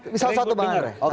misal satu banget re